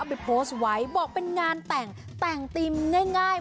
ไปโพสต์ไว้บอกเป็นงานแต่งแต่งธีมง่าย